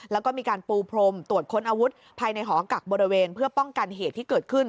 แล้วก็มีการปูพรมตรวจค้นอาวุธภายในหอกักบริเวณเพื่อป้องกันเหตุที่เกิดขึ้น